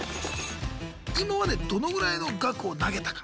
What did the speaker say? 今までどのぐらいの額を投げたか。